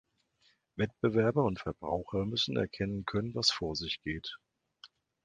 Wettbewerber und Verbraucher müssen erkennen können, was vor sich geht.